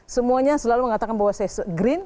semuanya selalu mengatakan bahwa saya green